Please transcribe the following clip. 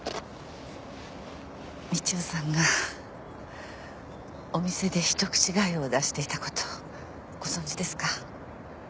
道夫さんがお店で一口がゆを出していたことをご存じですか？